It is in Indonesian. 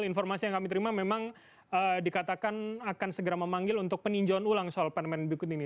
informasi yang kami terima memang dikatakan akan segera memanggil untuk peninjauan ulang soal permen berikut ini